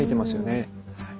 はい。